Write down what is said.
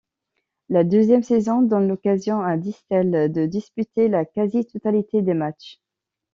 La deuxième saison, donne l'occasion à Distel de disputer la quasi-totalité des matchs.